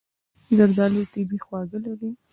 زردالو طبیعي خواږه لري.